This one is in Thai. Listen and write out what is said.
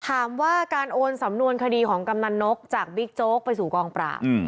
ถามว่าการโอนสำนวนคดีของกำนันนกจากบิ๊กโจ๊กไปสู่กองปราบ